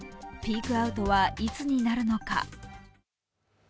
ピークアウトはいつになるのか。